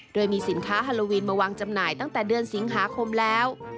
โดยมีสินค้าฮาโลวีนมาวางจำหน่ายตั้งแต่เดือนสิงหาคมแล้ว